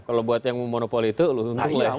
kalau buat yang memonopoli itu lu untung lah